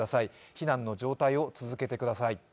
避難の状態を続けてください。